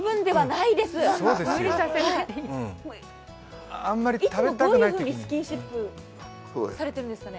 いつもどういうふうにスキンシップをされてるんですかね。